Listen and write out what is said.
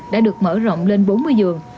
đã được mở rộng lên bốn mươi giường